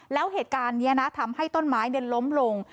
แล้วเหตุการณ์นี้นะทำให้ต้นไม้ล้มลง